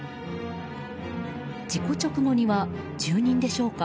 事故直後には、住人でしょうか。